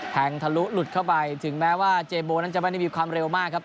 ทะลุหลุดเข้าไปถึงแม้ว่าเจโบนั้นจะไม่ได้มีความเร็วมากครับ